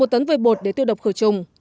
một tấn vơi bột để tiêu độc cửu trùng